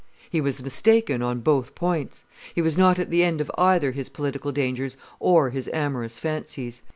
He was mistaken on both points; he was not at the end of either his political dangers or his amorous fancies.